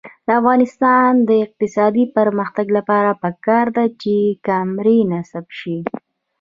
د افغانستان د اقتصادي پرمختګ لپاره پکار ده چې کامرې نصب شي.